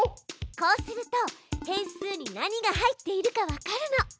こうすると変数に何が入っているかわかるの。